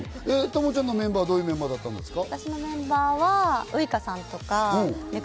友ちゃんのメンバーはどんなメンバーだったんですか？